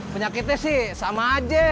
penyakitnya sih sama aja